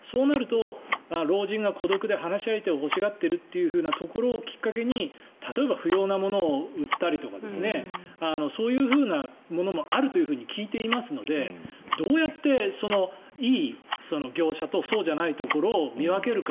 そうなると、老人が孤独で話し相手を欲しがっているというところをきっかけに例えば不要な物を売ったりとかそういうものもあるというふうに聞いていますのでどうやって、そのいい業者とそうじゃないところを見分けるか。